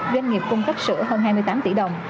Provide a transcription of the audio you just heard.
doanh nghiệp cung cấp sữa hơn hai mươi tám tỷ đồng